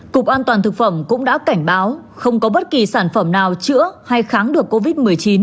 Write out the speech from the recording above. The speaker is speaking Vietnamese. cục an toàn thực phẩm cũng đã cảnh báo không có bất kỳ sản phẩm nào chữa hay kháng được covid một mươi chín